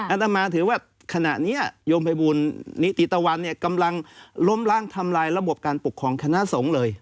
อาตมาถือว่าขณะนี้โยมภัยบูลนิติตะวันเนี่ยกำลังล้มล้างทำลายระบบการปกครองคณะสงฆ์เลย